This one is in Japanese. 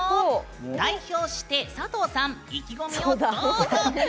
代表して、佐藤さん意気込みをどうぞ！